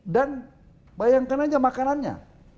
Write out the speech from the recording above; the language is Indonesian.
dan bayangkan saja makanannya